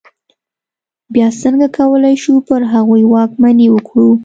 بیا څنګه کولای شو پر هغوی واکمني وکړو.